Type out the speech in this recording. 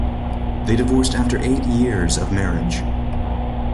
They divorced after eight years of marriage.